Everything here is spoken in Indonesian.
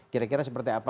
kira kira seperti apa